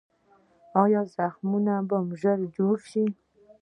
ایا زخم مو ژر جوړیږي؟